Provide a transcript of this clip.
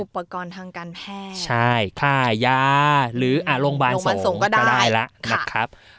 อุปกรณ์ทางการแพทย์ใช่ค่ายาหรืออ่ะโรงพยาบาลส่งก็ได้โรงพยาบาลส่งก็ได้ล่ะค่ะนะครับ